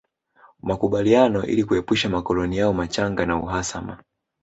Makubaliano ili kuepusha makoloni yao machanga na uhasama